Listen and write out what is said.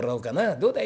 どうだい？